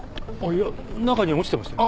いや中に落ちてましたよ。